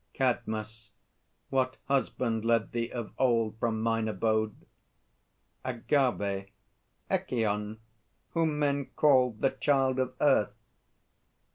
CADMUS. What husband led thee of old from mine abode? AGAVE. Echîon, whom men named the Child of Earth.